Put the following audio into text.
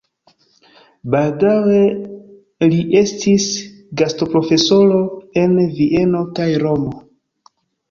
Baldaŭe li estis gastoprofesoro en Vieno kaj Romo.